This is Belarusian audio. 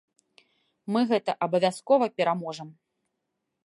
Мы гэта абавязкова пераможам.